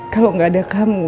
kalau gak ada kamu